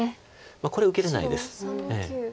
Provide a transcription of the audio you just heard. これ受けれないです。